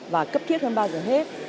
và cấp thiết hơn bao giờ hết